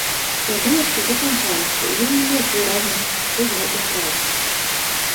Свядомасць ужо канчалася, і ён не мог выразна чуць гэтай фразы.